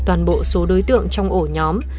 toàn bộ số đối tượng trong ổ nhóm